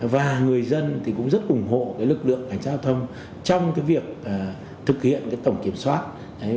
và người dân thì cũng rất ủng hộ lực lượng cải trang giao thông trong cái việc thực hiện tổng kiểm giao thông